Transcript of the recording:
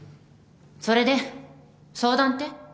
それで相談って？